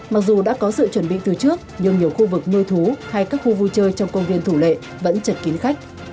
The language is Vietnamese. mặc dù đã có sự chuẩn bị từ trước nhưng nhiều khu vực nuôi thú hay các khu vui chơi trong công viên thủ lệ vẫn chật kín khách